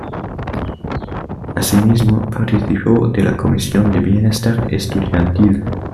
Asimismo, participó de la Comisión de Bienestar Estudiantil.